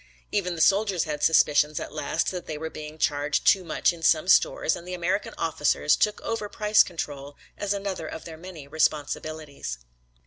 Even the soldiers had suspicions at last that they were being charged too much in some stores and the American officers took over price control as another of their many responsibilities.